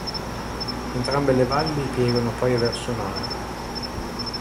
Entrambe le valli piegano poi verso nord.